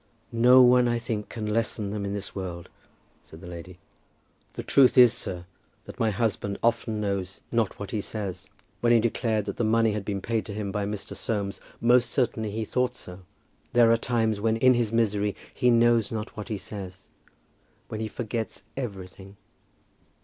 "No one, I think, can lessen them in this world," said the lady. "The truth is, sir, that my husband often knows not what he says. When he declared that the money had been paid to him by Mr. Soames, most certainly he thought so. There are times when in his misery he knows not what he says, when he forgets everything."